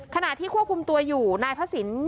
ขณะที่ควบคุมตัวอยู่นายพระศิลป์